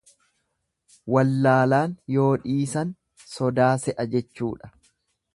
Wallaalaan yoo dhiisan sodaa se'a jechuudha.